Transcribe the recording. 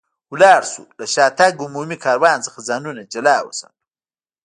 ولاړ شو، له شاتګ عمومي کاروان څخه ځانونه جلا وساتو.